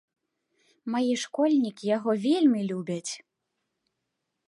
Мае школьнікі яго вельмі любяць.